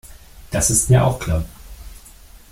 Das ist mir auch klar.